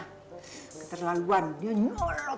keterlaluan dia nyolot